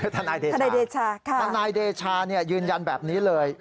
ทนายเดชายืนยันแบบนี้เลย